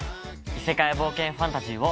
異世界冒険ファンタジーを。